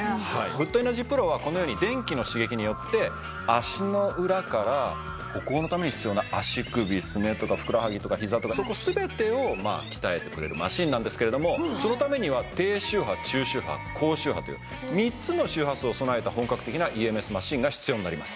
フットエナジープロはこのように電気の刺激によって足の裏から歩行のために必要な足首すねとかふくらはぎとかひざとかそこ全てを鍛えてくれるマシンなんですけれどもそのためには低周波中周波高周波っていう３つの周波数を備えた本格的なＥＭＳマシンが必要になります。